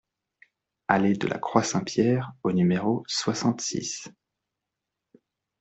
Allée de la Croix Saint-Pierre au numéro soixante-six